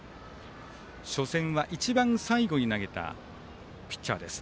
初戦は一番最後に投げたピッチャーです。